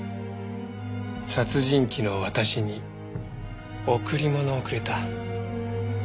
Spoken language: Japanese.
殺人鬼の私に贈り物をくれた。